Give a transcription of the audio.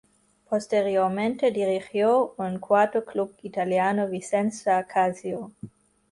Posteriormente dirigió un cuarto club italiano, Vicenza Calcio.